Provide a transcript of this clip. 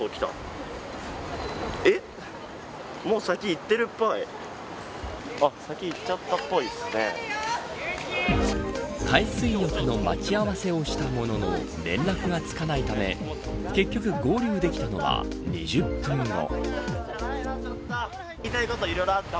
新「アタックＺＥＲＯ」海水浴の待ち合わせをしたものの連絡がつかないため結局、合流できたのは２０分後。